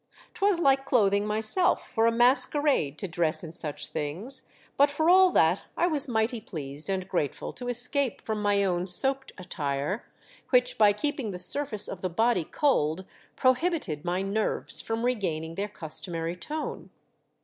'Twas like clothing myself for a masquerade to dress in such things, but for all that I was mighty pleased and grateful to escape from my own soaked attire, which by keeping the surface of the body cold pro hibited my nerves from regainmg their customary tone.